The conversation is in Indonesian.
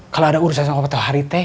kalo ada urusan sama pak tohari teh